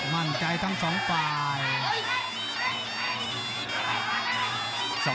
มั่นใจทั้งสองฝ่าย